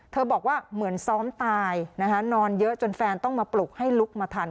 บอกว่าเหมือนซ้อมตายนะคะนอนเยอะจนแฟนต้องมาปลุกให้ลุกมาทัน